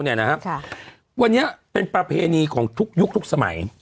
เนี้ยนะฮะค่ะวันนี้เป็นประเภนีของทุกยุคทุกสมัย